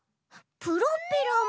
プロペラも。